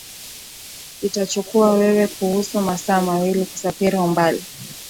itachukua wewe kuhusu masaa mawili kusafiri umbali